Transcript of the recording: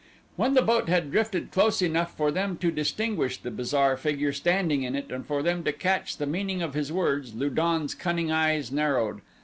When the boat had drifted close enough for them to distinguish the bizarre figure standing in it and for them to catch the meaning of his words Lu don's cunning eyes narrowed.